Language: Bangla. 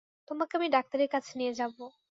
তোমাকে আমি ডাক্তারের কাছে নিয়ে যাব।